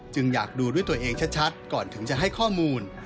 อยากดูด้วยตัวเองชัดก่อนถึงจะให้ข้อมูล